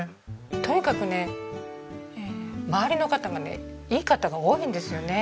とにかくね周りの方がねいい方が多いんですよね。